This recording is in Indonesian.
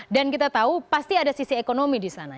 dan kita tahu pasti ada sisi ekonomi di sana